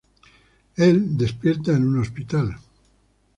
Él despierta en un hospital.